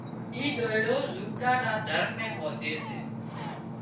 اي ۮوئيڙو زونپڙا نا در نين ٻانڌتي